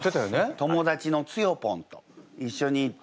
友達のつよぽんと一緒に行って。